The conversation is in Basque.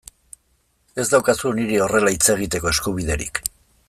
Ez daukazu niri horrela hitz egiteko eskubiderik.